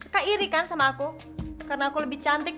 kak iri kan sama aku karena aku lebih cantik